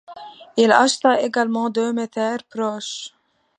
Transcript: Il acheta également deux métairies proches.